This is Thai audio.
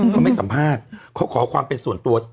เขาไม่สัมภาษณ์เขาขอความเป็นส่วนตัว